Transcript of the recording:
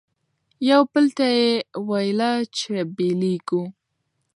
یوه بل ته یې ویله چي بیلیږو